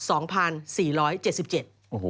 โอ้โห